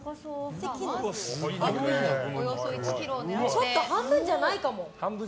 ちょっと半分じゃないかも。